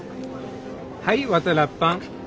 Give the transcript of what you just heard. はいワタラッパン。